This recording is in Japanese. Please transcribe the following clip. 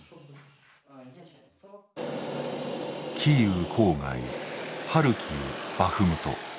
キーウ郊外ハルキウバフムト。